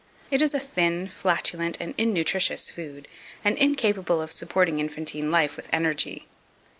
It is a thin, flatulent, and innutritious food, and incapable of supporting infantine life with energy.